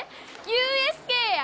ＵＳＫや！